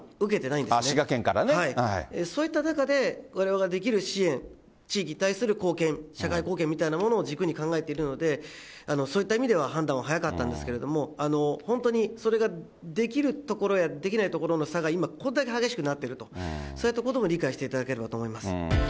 そういった中で、われわれができる支援、地域に対する貢献、社会貢献みたいなものを軸に考えているので、そういった意味では、判断は早かったんですけれども、本当にそれができるところやできないところの差が、今、こんだけ激しくなっていると、そういったことも理解していただければと思います。